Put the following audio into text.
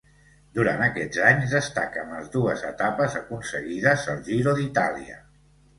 Durant aquests anys destaquen les dues etapes aconseguides al Giro d'Itàlia.